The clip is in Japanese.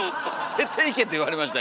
「出ていけ」って言われました？